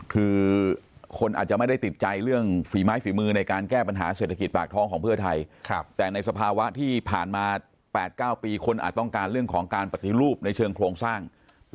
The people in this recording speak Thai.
คือคนอาจจะไม่ได้ติดใจเรื่องฝีไม้ฝีมือในการแก้ปัญหาเศรษฐกิจปากท้องของเพื่อไทยแต่ในสภาวะที่ผ่านมา๘๙ปีคนอาจต้องการเรื่องของการปฏิรูปในเชิงโครงสร้าง